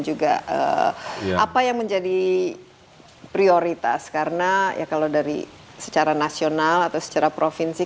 juga apa yang menjadi prioritas karena ya kalau dari secara nasional atau secara provinsi